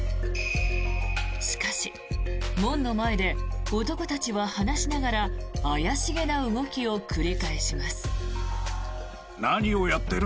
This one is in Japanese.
しかし、門の前で男たちは話しながら怪しげな動きを繰り返します。